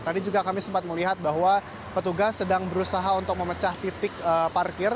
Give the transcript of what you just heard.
tadi juga kami sempat melihat bahwa petugas sedang berusaha untuk memecah titik parkir